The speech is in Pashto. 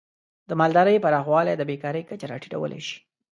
د مالدارۍ پراخوالی د بیکاری کچه راټیټولی شي.